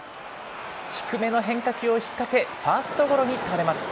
低めの変化球を引っかけファーストゴロに倒れます。